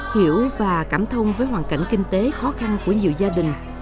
hiểu và cảm thông với hoàn cảnh kinh tế khó khăn của nhiều gia đình